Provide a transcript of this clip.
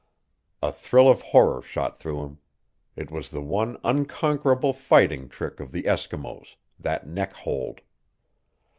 A thrill of horror shot through him. It was the one unconquerable fighting trick of the Eskimos that neck hold.